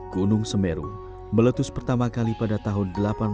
gunung semeru meletus pertama kali pada tahun seribu delapan ratus